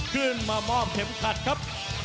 ขึ้นมามอบเข็มขัดครับ